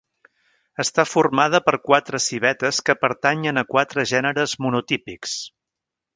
Està formada per quatre civetes que pertanyen a quatre gèneres monotípics.